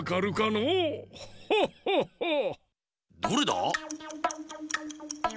どれだ？